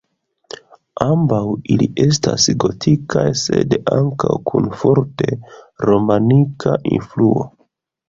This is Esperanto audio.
Ambaŭ ili estas gotikaj sed ankaŭ kun forte romanika influo.